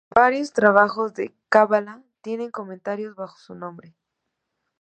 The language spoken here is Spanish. Varios trabajos de Cábala tienen comentarios bajo su nombre.